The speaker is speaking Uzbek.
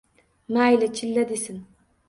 Mayli, “Chilla” desin